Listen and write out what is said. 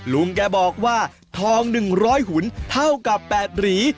ลุงแกบอกว่าทองหนึ่งร้อยหุ่นเท่ากับ๘หรี่